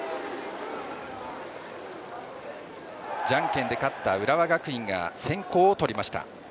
じゃんけんで勝った浦和学院が先攻をとりました。